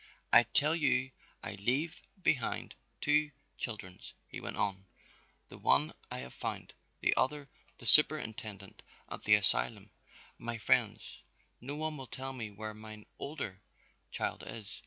"I tell you I leaf behind two childrens," he went on, "the one I haf found, the other the superintendent at the asylum, my friends, no one will tell me where mine oder child is.